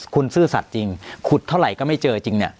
คุณซื่อสัตว์จริงขุดเท่าไหร่ก็ไม่เจอจริงเนี่ย